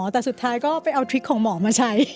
แต่สุดท้ายก็ไปเอาทริคของหมอมาใช้